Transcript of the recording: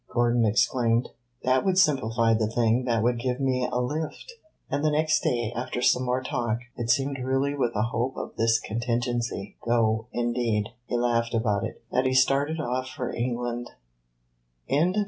Gordon exclaimed. "That would simplify the thing that would give me a lift." And the next day, after some more talk, it seemed really with a hope of this contingency though, indeed, he laughed about it that he started for England.